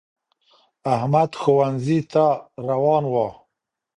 احمد ښونځی تا روان وو